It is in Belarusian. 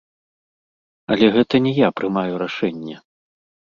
Але гэта не я прымаю рашэнне.